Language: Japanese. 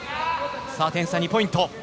点差は２ポイント。